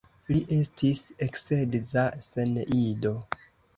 Li estis eksedza sen ido.